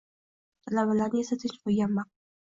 Talabalarni esa tinch qoʻygan maqul.